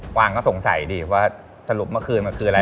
วางก็สงสัยดิว่าสรุปเมื่อคืนมันคืออะไร